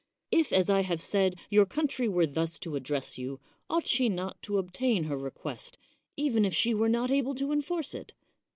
If, as I have said, your country were thus to address you, ought she not to obtain her request, •even if jshe were not able to enforce it